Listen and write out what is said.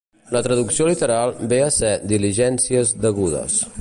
La traducció literal ve a ser 'diligències degudes'.